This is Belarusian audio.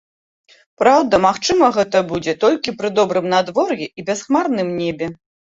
Праўда, магчыма гэта будзе толькі пры добрым надвор'і і бясхмарным небе.